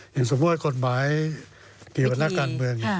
อย่างสมมุติกฎหมายการการเมือง